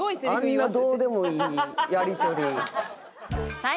あんなどうでもいいやり取り。